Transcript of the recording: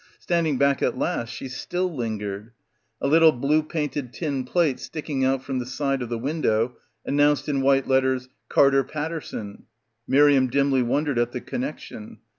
Standing back at last she still lingered. A little blue painted tin plate sticking out from the side of the window announced in white letters "Carter Paterson." Miriam dimly wondered at the connection.